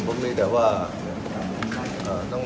ผมไม่มีทีมเศรษฐกิจฯเพราะเอิ้นถุกสมมติว่า